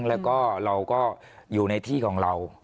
แล้วก็เราก็อยู่ในที่ของเรา